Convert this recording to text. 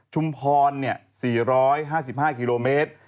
ชุมพร๔๕๕กิโลเมตร